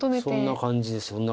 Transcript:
そんな感じです